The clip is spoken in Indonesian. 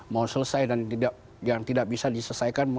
mau selesai dan yang tidak bisa diselesaikan